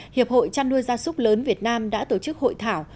hiệp hội chăn nuôi da súc lớn việt nam đã tổ chức hội thảo